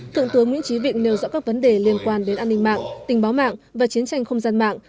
thượng tướng nguyễn trí vịnh nêu dõi các vấn đề liên quan đến an ninh mạng tình báo mạng và chiến tranh không gian mạng